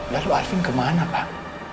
lalu alfi kemana pak